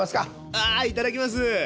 ああいただきます！